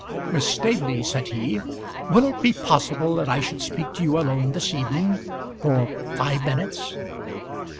"Miss Staveley," said he, "will it be possible that I should speak to you alone this evening; for five minutes?"